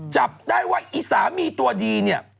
จับได้ว่าอีสามีตัวดีเนี่ย